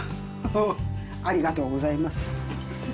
ありがとうございます。